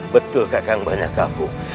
betul kakang banyak kabuk